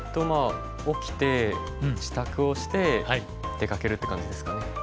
まあ起きて支度をして出かけるって感じですかね。